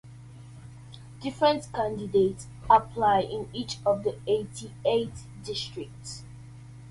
Different candidates apply in each of the eighty-eight districts.